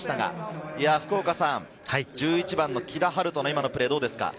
１１番の木田晴斗のプレー、どうですか？